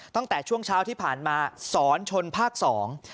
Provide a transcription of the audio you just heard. ตั้งแต่ช่วงเช้าที่ผ่านมาสอนชนภาคสอง